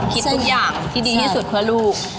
คิดทุกอย่างที่ดีที่สุดเพื่อลูก